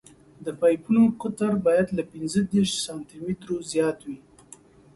د پایپونو قطر باید له پینځه دېرش سانتي مترو زیات وي